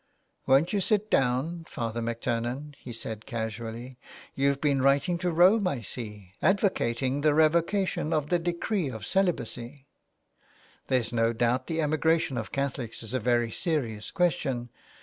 "Won't you sit down. Father MacTurnan?" he said casually. '' You've been writing to Rome, I see, advocating the revocation of the decree of celibacy. There's no doubt the emigration of Catholics is a very serious question.